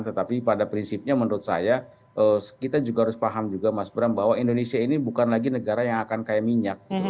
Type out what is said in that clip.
tetapi pada prinsipnya menurut saya kita juga harus paham juga mas bram bahwa indonesia ini bukan lagi negara yang akan kaya minyak